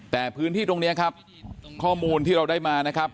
แต่พื้นที่ตรงนี้ครับข้อมูลที่เราได้มานะครับ